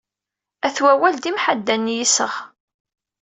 At Wawal d imḥaddan n yiseɣ.